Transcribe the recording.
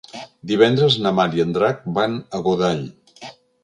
Divendres na Mar i en Drac van a Godall.